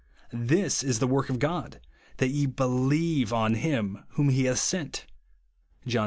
This is the work of God, that ye believe on him whom he hath sent," (John vi.